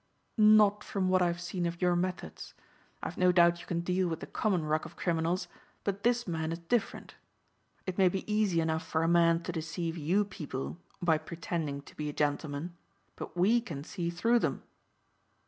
"Not from what I've seen of your methods. I've no doubt you can deal with the common ruck of criminals, but this man is different. It may be easy enough for a man to deceive you people by pretending to be a gentleman but we can see through them.